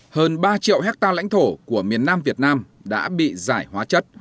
hơn ba triệu hectare lãnh thổ của miền nam việt nam đã bị giải hóa chất